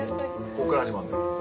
こっから始まんの。